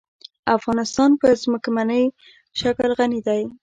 افغانستان په ځمکنی شکل غني دی.